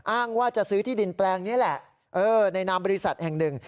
อ้างว่าจะซื้อที่ดินแปลงนี้แหละในนามบริษัทแห่งหนึ่ง